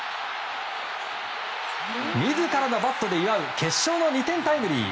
自らのバットで祝う決勝の２点タイムリー。